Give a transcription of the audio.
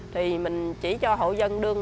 thì mình chỉ cho hộ dân đương